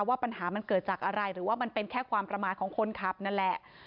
ว่าปัญหามันเกิดจากอะไรหรือว่ามันเป็นแค่ความประมาทของคนขับนั่นแหละ